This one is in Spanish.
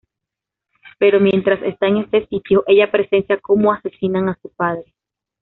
Pero mientras está en este sitio, ella presencia como asesinan a su padre.